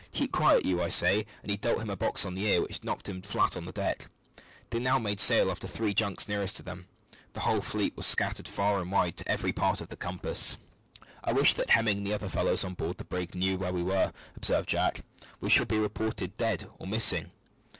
"Keep quiet you, I say," and he dealt him a box on the ears which knocked him flat on the deck. They now made sail after three junks nearest to them. The whole fleet were scattered far and wide to every part of the compass. "I wish that Hemming and the other fellows on board the brig knew where we were," observed Jack; "we shall be reported dead or missing."